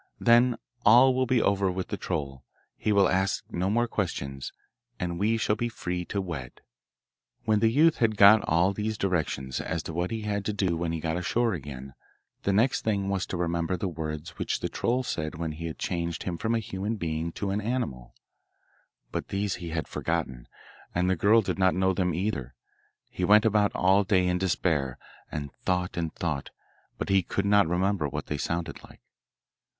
Then all will be over with the troll; he will ask no more questions, and we shall be free to wed.' When the youth had got all these directions as to what he had to do when he got ashore again the next thing was to remember the words which the troll said when he changed him from a human being to an animal; but these he had forgotten, and the girl did not know them either. He went about all day in despair, and thought and thought, but he could not remember what they sounded like.